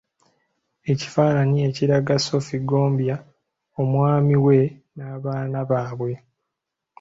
Ekifaananyi ekiraga Sophie Ggombya, omwami we n’abaana baabwe.